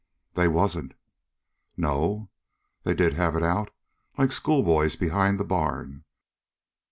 "They wasn't." "No. They did have it out, like schoolboys behind a barn.